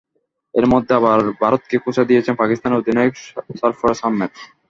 এর মধ্যেই আবার ভারতকে খোঁচা দিয়েছেন পাকিস্তানের অধিনায়ক সরফরাজ আহমেদ।